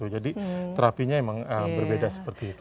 jadi terapinya memang berbeda seperti itu